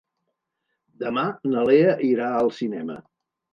Demà na Lea irà al cinema.